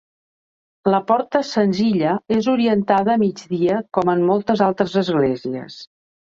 La porta, senzilla, és orientada a migdia, com en moltes altres esglésies.